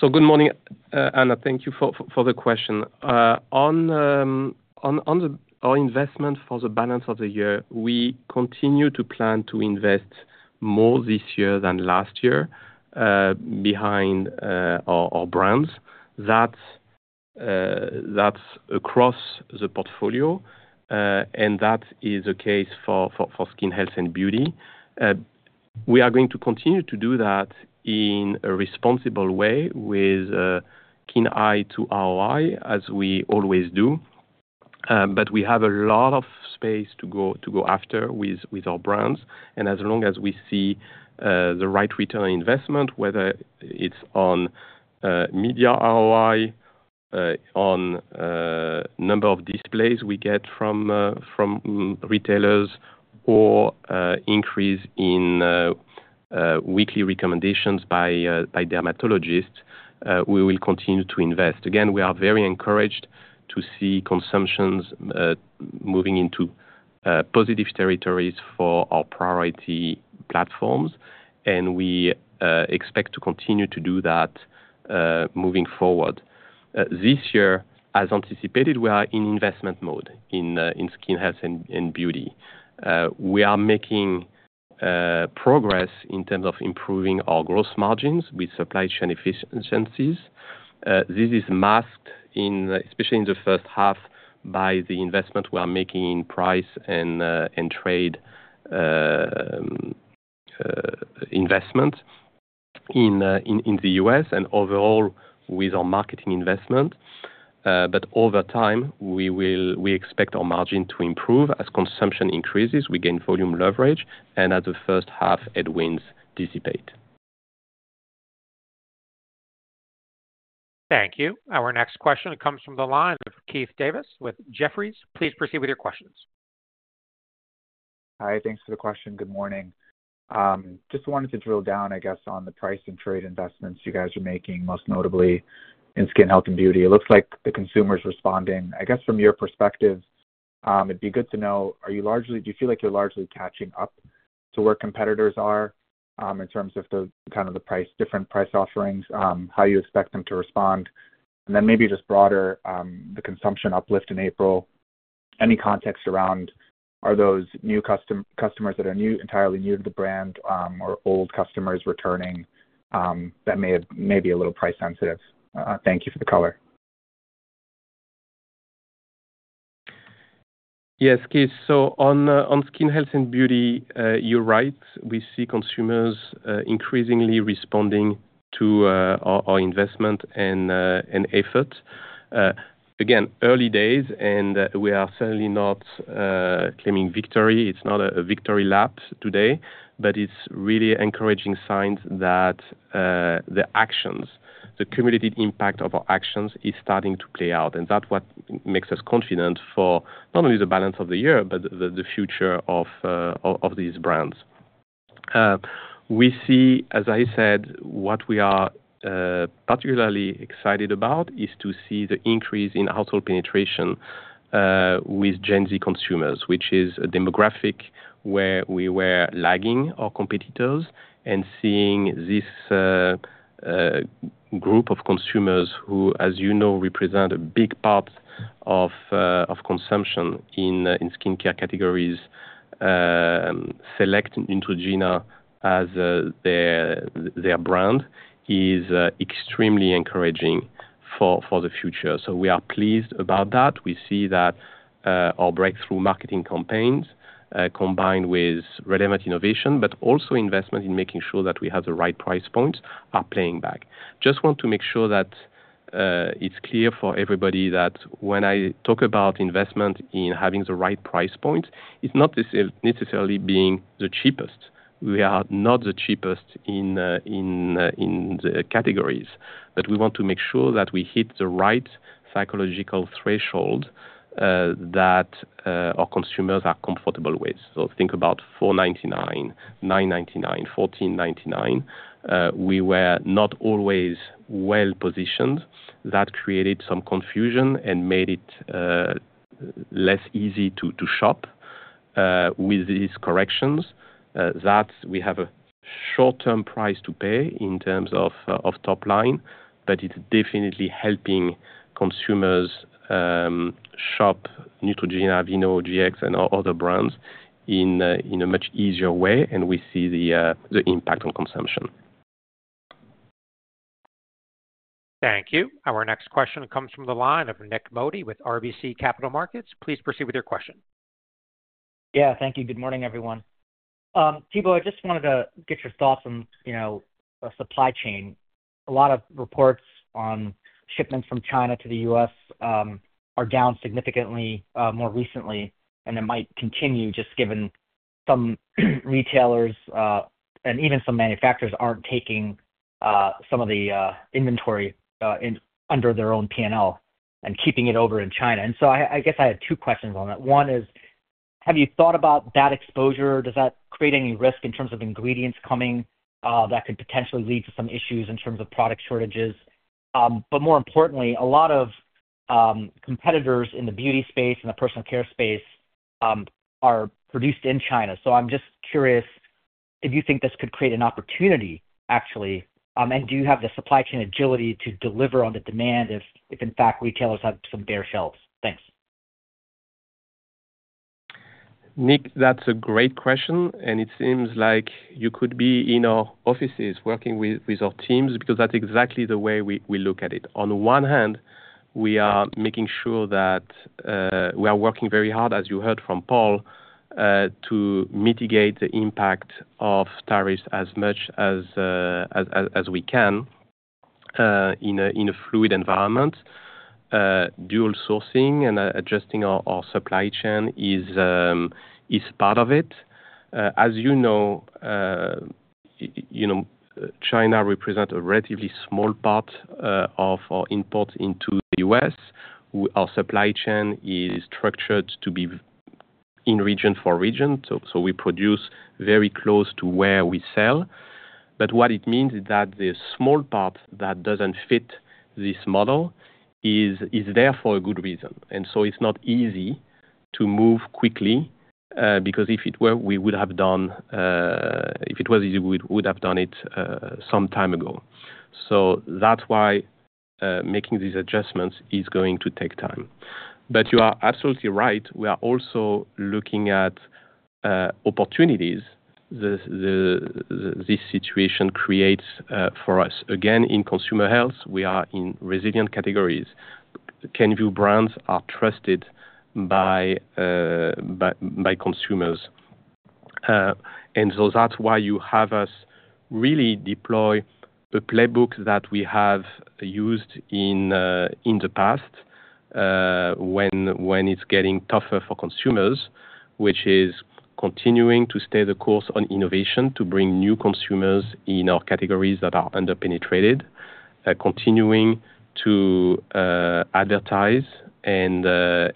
So good morning, Anna. Thank you for the question. On our investment for the balance of the year, we continue to plan to invest more this year than last year behind our brands. That's across the portfolio, and that is the case for Skin Health and Beauty. We are going to continue to do that in a responsible way with keen eye to ROI, as we always do. But we have a lot of space to go after with our brands. And as long as we see the right return on investment, whether it's on media ROI, on number of displays we get from retailers, or increase in weekly recommendations by dermatologists, we will continue to invest. Again, we are very encouraged to see consumptions moving into positive territories for our priority platforms. And we expect to continue to do that moving forward. This year, as anticipated, we are in investment mode in Skin Health and Beauty. We are making progress in terms of improving our gross margins with supply chain efficiencies. This is masked, especially in the first half, by the investment we are making in price and trade investment in the US and overall with our marketing investment. But over time, we expect our margin to improve as consumption increases, we gain volume leverage, and as the first half headwinds dissipate. Thank you. Our next question comes from the line of Kaumil Gajrawala with Jefferies. Please proceed with your questions. Hi. Thanks for the question. Good morning. Just wanted to drill down, I guess, on the price and trade investments you guys are making, most notably in skin health and beauty. It looks like the consumer is responding. I guess from your perspective, it'd be good to know, do you feel like you're largely catching up to where competitors are in terms of kind of the different price offerings, how you expect them to respond? Then maybe just broader, the consumption uplift in April, any context around [that]? Are those new customers that are entirely new to the brand or old customers returning that may be a little price sensitive? Thank you for the color. Yes, Kaumil. So on Skin Health and Beauty, you're right. We see consumers increasingly responding to our investment and effort. Again, early days, and we are certainly not claiming victory. It's not a victory lap today, but it's really encouraging signs that the actions, the cumulative impact of our actions is starting to play out. And that's what makes us confident for not only the balance of the year, but the future of these brands. We see, as I said, what we are particularly excited about is to see the increase in household penetration with Gen Z consumers, which is a demographic where we were lagging our competitors and seeing this group of consumers who, as you know, represent a big part of consumption in skincare categories, select Neutrogena as their brand, is extremely encouraging for the future. So we are pleased about that. We see that our breakthrough marketing campaigns, combined with relevant innovation, but also investment in making sure that we have the right price points, are playing back. Just want to make sure that it's clear for everybody that when I talk about investment in having the right price point, it's not necessarily being the cheapest. We are not the cheapest in the categories, but we want to make sure that we hit the right psychological threshold that our consumers are comfortable with. So think about 499, 999, 1499. We were not always well positioned. That created some confusion and made it less easy to shop. With these corrections that we have a short-term price to pay in terms of top line, but it's definitely helping consumers shop Neutrogena, Aveeno, OGX, and other brands in a much easier way, and we see the impact on consumption. Thank you. Our next question comes from the line of Nik Modi with RBC Capital Markets. Please proceed with your question. Yeah. Thank you. Good morning, everyone. Thibaut, I just wanted to get your thoughts on supply chain. A lot of reports on shipments from China to the U.S. are down significantly more recently, and it might continue just given some retailers and even some manufacturers aren't taking some of the inventory under their own P&L and keeping it over in China. And so I guess I had two questions on that. One is, have you thought about that exposure? Does that create any risk in terms of ingredients coming that could potentially lead to some issues in terms of product shortages? But more importantly, a lot of competitors in the beauty space and the personal care space are produced in China. So I'm just curious if you think this could create an opportunity, actually. And do you have the supply chain agility to deliver on the demand if, in fact, retailers have some bare shelves? Thanks. Nick, that's a great question. It seems like you could be in our offices working with our teams because that's exactly the way we look at it. On the one hand, we are making sure that we are working very hard, as you heard from Paul, to mitigate the impact of tariffs as much as we can in a fluid environment. Dual sourcing and adjusting our supply chain is part of it. As you know, China represents a relatively small part of our import into the U.S. Our supply chain is structured to be in region for region. So we produce very close to where we sell. But what it means is that the small part that doesn't fit this model is there for a good reason. It's not easy to move quickly because if it were easy, we would have done it some time ago. So that's why making these adjustments is going to take time. But you are absolutely right. We are also looking at opportunities this situation creates for us. Again, in consumer health, we are in resilient categories. Kenvue brands are trusted by consumers. And so that's why you have us really deploy a playbook that we have used in the past when it's getting tougher for consumers, which is continuing to stay the course on innovation to bring new consumers in our categories that are under-penetrated, continuing to advertise and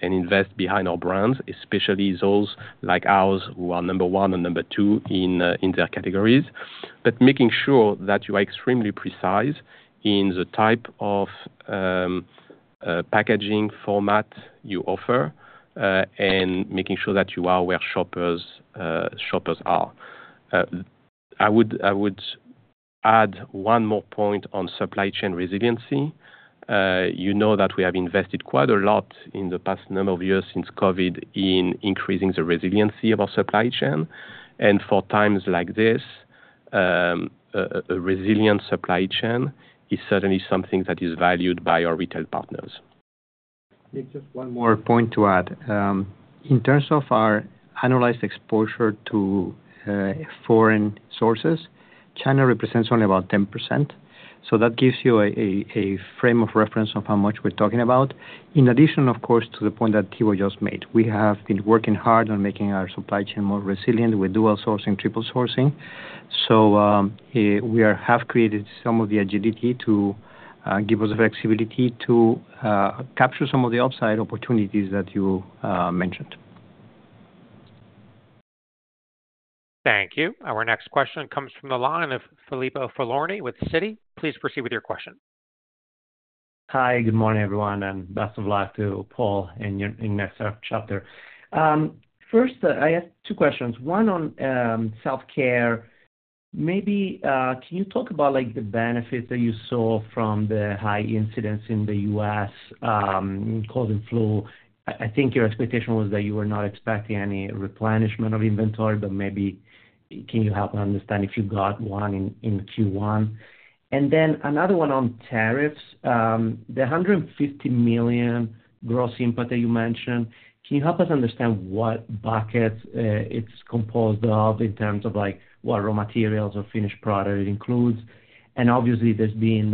invest behind our brands, especially those like ours who are number one and number two in their categories. But making sure that you are extremely precise in the type of packaging format you offer and making sure that you are where shoppers are. I would add one more point on supply chain resiliency. You know that we have invested quite a lot in the past number of years since COVID in increasing the resiliency of our supply chain. And for times like this, a resilient supply chain is certainly something that is valued by our retail partners. Nick, just one more point to add. In terms of our annualized exposure to foreign sources, China represents only about 10%. So that gives you a frame of reference of how much we're talking about. In addition, of course, to the point that Thibaut just made, we have been working hard on making our supply chain more resilient with dual sourcing, triple sourcing. So we have created some of the agility to give us the flexibility to capture some of the upside opportunities that you mentioned. Thank you. Our next question comes from the line of Filippo Falorni with Citi. Please proceed with your question. Hi. Good morning, everyone. And best of luck to Paul and your next chapter. First, I have two questions. One on self-care. Maybe can you talk about the benefits that you saw from the high incidence in the US causing flu? I think your expectation was that you were not expecting any replenishment of inventory, but maybe can you help me understand if you got one in Q1? And then another one on tariffs. The $150 million gross impact that you mentioned, can you help us understand what buckets it's composed of in terms of what raw materials or finished product it includes? And obviously, there's been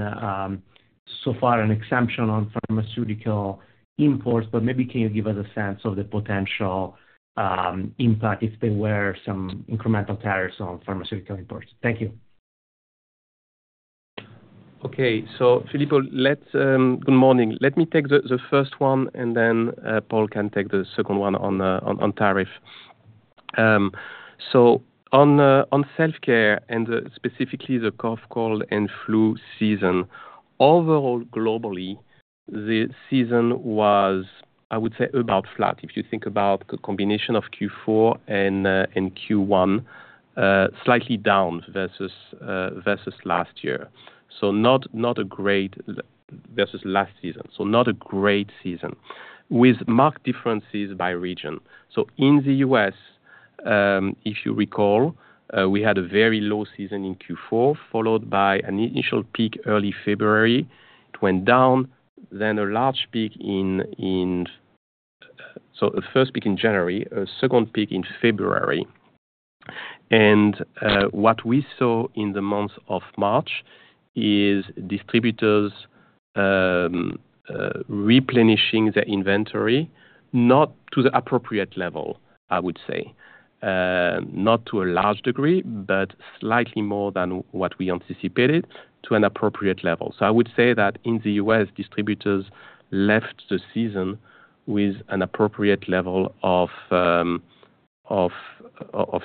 so far an exemption on pharmaceutical imports, but maybe can you give us a sense of the potential impact if there were some incremental tariffs on pharmaceutical imports? Thank you. Okay. So Filippo, good morning. Let me take the first one, and then Paul can take the second one on tariff. So on Self-Care and specifically the cough, cold, and flu season, overall, globally, the season was, I would say, about flat. If you think about the combination of Q4 and Q1, slightly down versus last year. So not a great versus last season. So not a great season with marked differences by region. So in the U.S., if you recall, we had a very low season in Q4, followed by an initial peak early February. It went down, then a large peak in so a first peak in January, a second peak in February. What we saw in the month of March is distributors replenishing their inventory, not to the appropriate level, I would say. Not to a large degree, but slightly more than what we anticipated, to an appropriate level. I would say that in the U.S., distributors left the season with an appropriate level of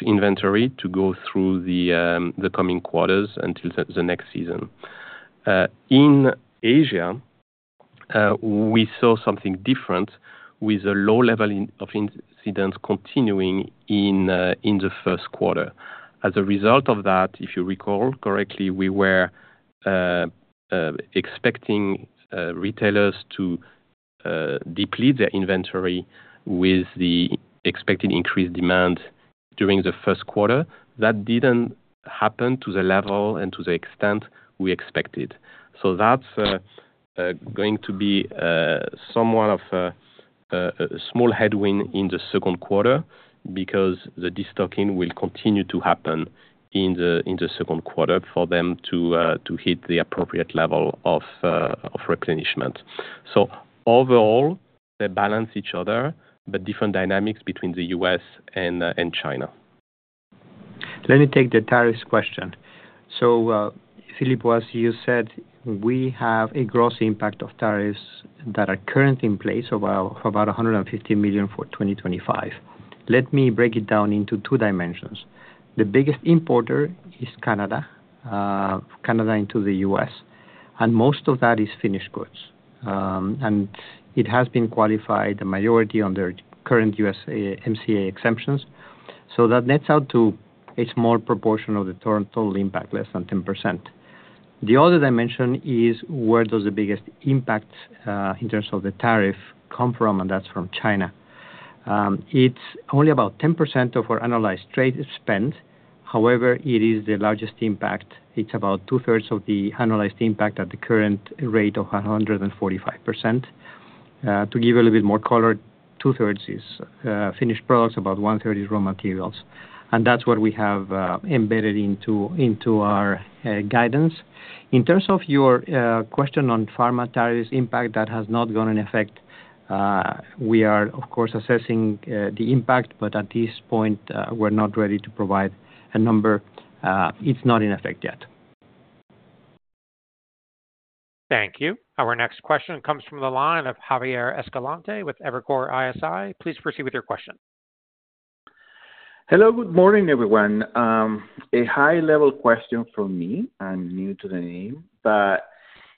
inventory to go through the coming quarters until the next season. In Asia, we saw something different with a low level of incidence continuing in the Q1. As a result of that, if you recall correctly, we were expecting retailers to deplete their inventory with the expected increased demand during the Q1. That didn't happen to the level and to the extent we expected. That's going to be somewhat of a small headwind in the Q2 because the destocking will continue to happen in the Q2 for them to hit the appropriate level of replenishment. Overall, they balance each other, but different dynamics between the US and China. Let me take the tariffs question. Filippo, as you said, we have a gross impact of tariffs that are currently in place of about $150 million for 2025. Let me break it down into two dimensions. The biggest importer is Canada, Canada into the US, and most of that is finished goods. And it has been qualified, the majority under current USMCA exemptions. That nets out to a small proportion of the total impact, less than 10%. The other dimension is where does the biggest impact in terms of the tariff come from, and that's from China. It's only about 10% of our analyzed trade spend. However, it is the largest impact. It's about two-thirds of the analyzed impact at the current rate of 145%. To give you a little bit more color, two-thirds is finished products, about one-third is raw materials. And that's what we have embedded into our guidance. In terms of your question on pharma tariffs impact, that has not gone in effect. We are, of course, assessing the impact, but at this point, we're not ready to provide a number. It's not in effect yet. Thank you. Our next question comes from the line of Javier Escalante with Evercore ISI. Please proceed with your question. Hello. Good morning, everyone. A high-level question for me. I'm new to the name. But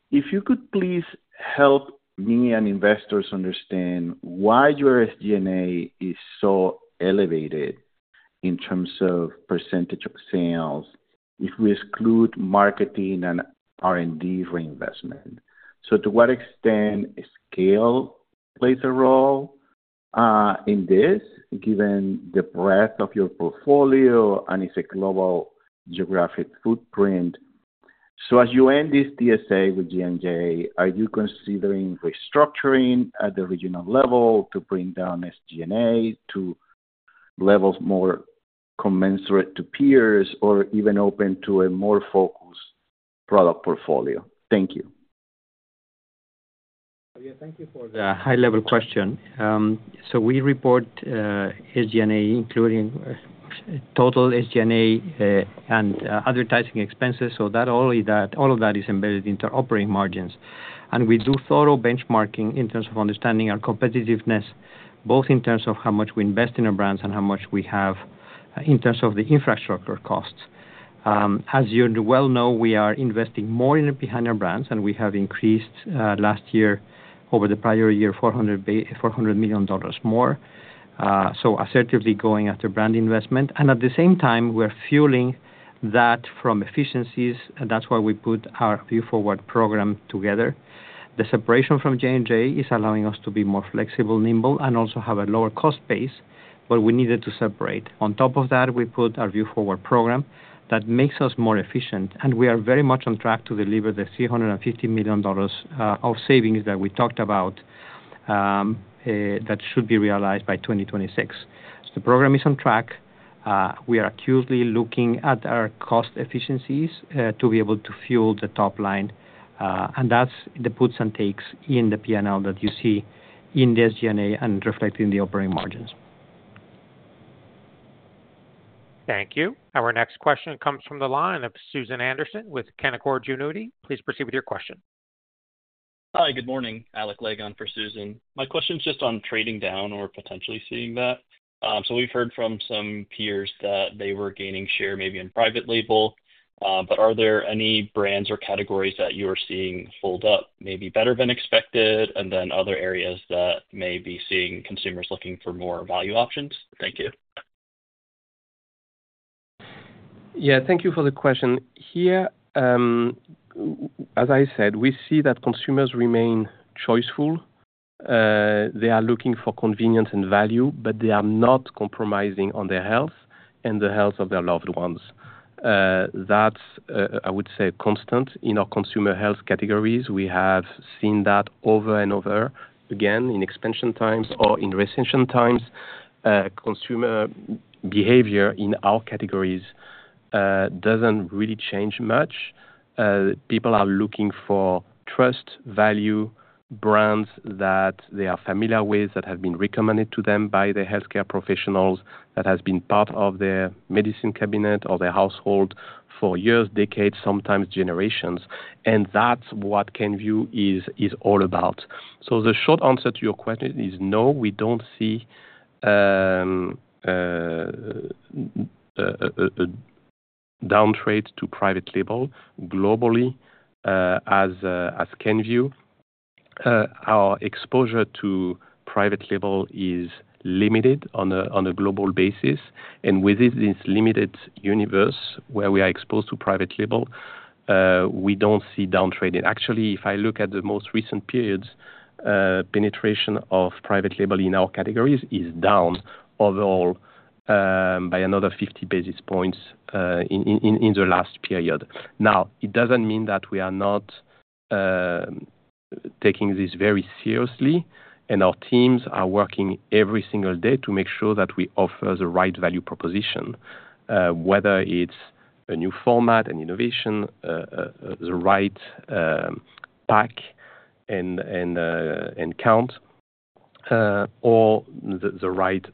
if you could please help me and investors understand why your SG&A is so elevated in terms of percentage of sales if we exclude marketing and R&D reinvestment? So to what extent scale plays a role in this, given the breadth of your portfolio and its global geographic footprint? So as you end this TSA with J&J, are you considering restructuring at the regional level to bring down SG&A to levels more commensurate to peers or even open to a more focused product portfolio? Thank you. Yeah. Thank you for the high-level question. So we report SG&A, including total SG&A and advertising expenses. So all of that is embedded into our operating margins. And we do thorough benchmarking in terms of understanding our competitiveness, both in terms of how much we invest in our brands and how much we have in terms of the infrastructure costs. As you well know, we are investing more behind our brands, and we have increased last year over the prior year $400 million more. We are assertively going after brand investment. At the same time, we are fueling that from efficiencies. That is why we put our Vue Forward program together. The separation from J&J is allowing us to be more flexible, nimble, and also have a lower cost base, but we needed to separate. On top of that, we put our Vue Forward program that makes us more efficient. We are very much on track to deliver the $350 million of savings that we talked about that should be realized by 2026. The program is on track. We are acutely looking at our cost efficiencies to be able to fuel the top line. And that's the puts and takes in the P&L that you see in the SG&A and reflected in the operating margins. Thank you. Our next question comes from the line of Susan Anderson with Canaccord Genuity. Please proceed with your question. Hi. Good morning. Alec Legg for Susan. My question's just on trading down or potentially seeing that. So we've heard from some peers that they were gaining share maybe in private label. But are there any brands or categories that you are seeing hold up maybe better than expected and then other areas that may be seeing consumers looking for more value options? Thank you. Yeah. Thank you for the question. Here, as I said, we see that consumers remain choiceful. They are looking for convenience and value, but they are not compromising on their health and the health of their loved ones. That's, I would say, constant in our consumer health categories. We have seen that over and over, again, in expansion times or in recession times. Consumer behavior in our categories doesn't really change much. People are looking for trust, value, brands that they are familiar with, that have been recommended to them by the healthcare professionals, that has been part of their medicine cabinet or their household for years, decades, sometimes generations. And that's what Kenvue is all about. So the short answer to your question is no, we don't see a downtrade to private label globally as Kenvue. Our exposure to private label is limited on a global basis. And within this limited universe where we are exposed to private label, we don't see downtrading. Actually, if I look at the most recent periods, penetration of private label in our categories is down overall by another 50 basis points in the last period. Now, it doesn't mean that we are not taking this very seriously, and our teams are working every single day to make sure that we offer the right value proposition, whether it's a new format, an innovation, the right pack and count, or the right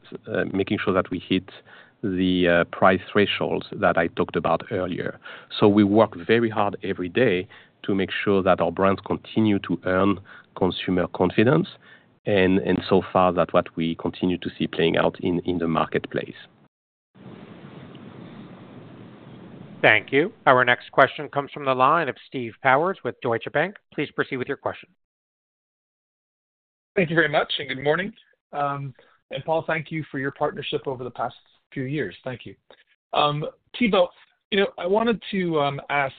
making sure that we hit the price thresholds that I talked about earlier. So we work very hard every day to make sure that our brands continue to earn consumer confidence and so far that's what we continue to see playing out in the marketplace. Thank you. Our next question comes from the line of Steve Powers with Deutsche Bank. Please proceed with your question. Thank you very much and good morning. Paul, thank you for your partnership over the past few years. Thank you. Thibaut, I wanted to ask.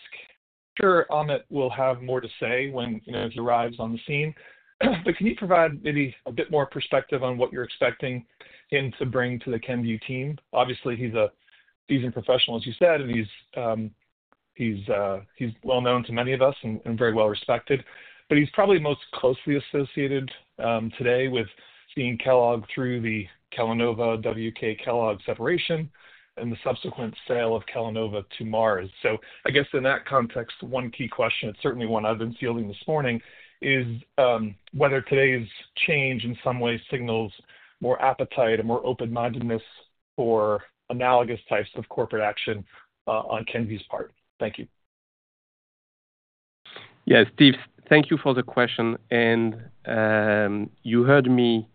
Sure, Amit will have more to say when he arrives on the scene, but can you provide maybe a bit more perspective on what you're expecting him to bring to the Kenvue team? Obviously, he's a seasoned professional, as you said, and he's well-known to many of us and very well respected. But he's probably most closely associated today with seeing Kellogg through the Kellanova-WK Kellogg separation and the subsequent sale of Kellanova to Mars. So I guess in that context, one key question, certainly one I've been fielding this morning, is whether today's change in some way signals more appetite and more open-mindedness for analogous types of corporate action on Kenvue's part? Thank you. Yes. Thank you for the question. You heard me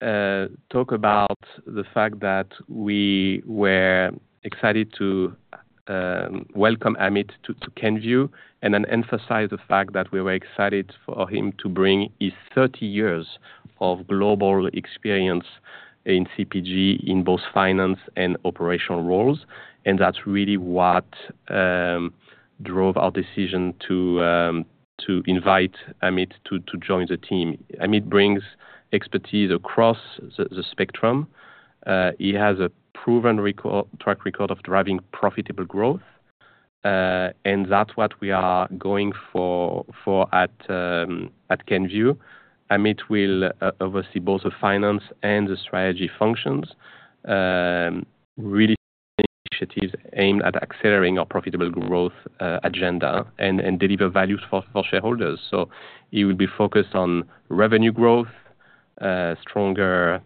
talk about the fact that we were excited to welcome Amit to Kenvue and then emphasize the fact that we were excited for him to bring his 30 years of global experience in CPG in both finance and operational roles. And that's really what drove our decision to invite Amit to join the team. Amit brings expertise across the spectrum. He has a proven track record of driving profitable growth. And that's what we are going for at Kenvue. Amit will oversee both the finance and the strategy functions, really initiatives aimed at accelerating our profitable growth agenda and deliver value for shareholders. So he will be focused on revenue growth, stronger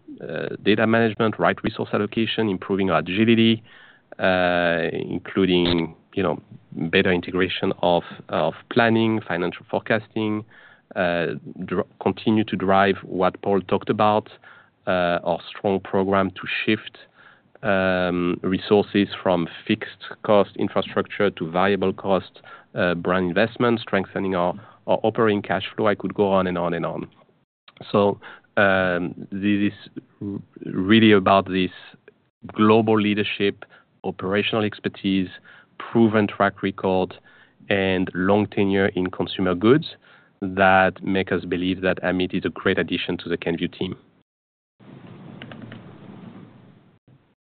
data management, right resource allocation, improving our agility, including better integration of planning, financial forecasting, continue to drive what Paul talked about, our strong program to shift resources from fixed-cost infrastructure to variable-cost brand investment, strengthening our operating cash flow. I could go on and on and on. So this is really about this global leadership, operational expertise, proven track record, and long tenure in consumer goods that make us believe that Amit is a great addition to the Kenvue team.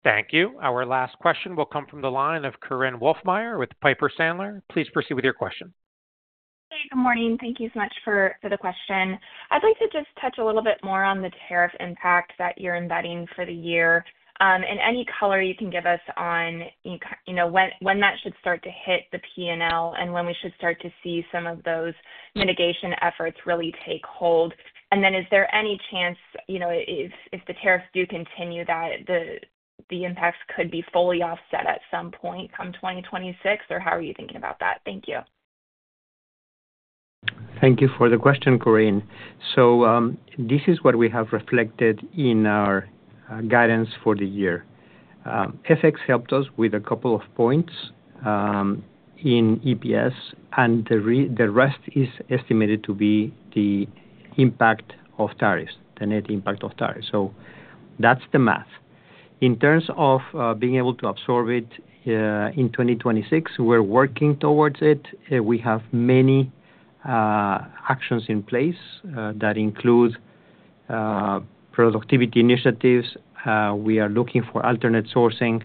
Thank you. Our last question will come from the line of Korinne Wolfmeyer with Piper Sandler. Please proceed with your question. Hey. Good morning. Thank you so much for the question. I'd like to just touch a little bit more on the tariff impact that you're embedding for the year and any color you can give us on when that should start to hit the P&L and when we should start to see some of those mitigation efforts really take hold. And then is there any chance if the tariffs do continue, that the impacts could be fully offset at some point come 2026, or how are you thinking about that? Thank you. Thank you for the question, Korinne. So this is what we have reflected in our guidance for the year. FX helped us with a couple of points in EPS, and the rest is estimated to be the impact of tariffs, the net impact of tariffs. So that's the math. In terms of being able to absorb it in 2026, we're working towards it. We have many actions in place that include productivity initiatives. We are looking for alternate sourcing,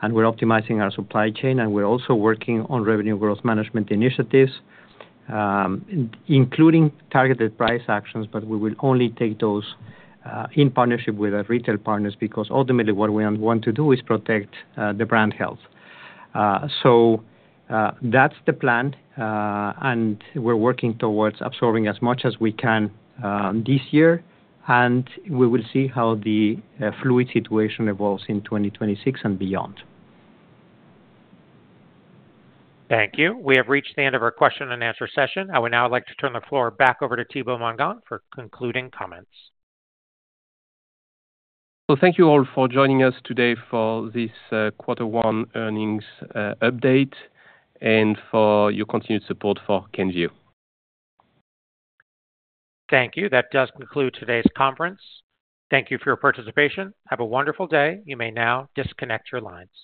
and we're optimizing our supply chain. And we're also working on revenue growth management initiatives, including targeted price actions, but we will only take those in partnership with our retail partners because ultimately, what we want to do is protect the brand health. So that's the plan. And we're working towards absorbing as much as we can this year. And we will see how the fluid situation evolves in 2026 and beyond. Thank you. We have reached the end of our question and answer session. I would now like to turn the floor back over to Thibaut Mongon for concluding comments. So thank you all for joining us today for this Q1 Earnings Update and for your continued support for Kenvue. Thank you. That does conclude today's conference. Thank you for your participation. Have a wonderful day. You may now disconnect your lines.